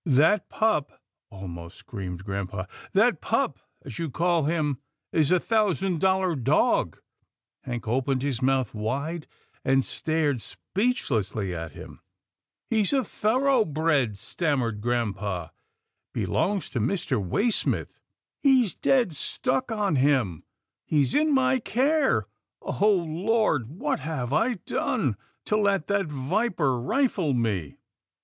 " That pup," almost screamed grampa, " that pup, as you call him, is a thousand dollar dog !" Hank opened his mouth wide, and stared speech lessly at him. " He's a thoroughbred," stammered grampa, " belongs to Mr. Waysmith — He's dead stuck on 170 'TILDA JANE'S ORPHANS him. He's in my care — Oh Lord! what have I done to let that viper rifle me?"